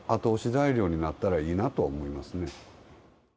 材料になったらいいなと思いますね。